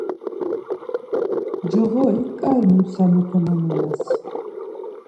Coğorik ǩai mutxanepe momimes.